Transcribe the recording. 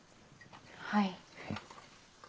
はい。